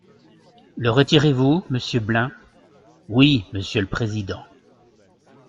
Le retirez-vous, monsieur Blein ? Oui, monsieur le président.